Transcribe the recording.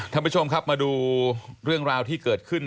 ท่านผู้ชมครับมาดูเรื่องราวที่เกิดขึ้น